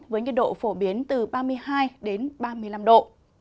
với nhiệt độ phổ biến từ ba mươi hai ba mươi năm độ